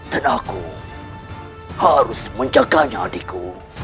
dan aku harus menjaganya adikku